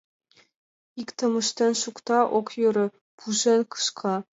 Иктым ыштен шукта — ок йӧрӧ, пужен кышка.